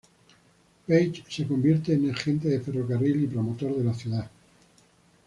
Page se convirtió en agente de ferrocarril y promotor de la ciudad.